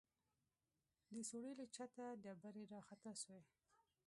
د سوړې له چته ډبرې راخطا سوې.